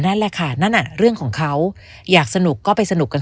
นั่นแหละค่ะนั่นน่ะเรื่องของเขาอยากสนุกก็ไปสนุกกัน